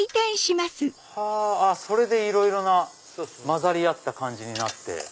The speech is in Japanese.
それでいろいろな交ざり合った感じになって。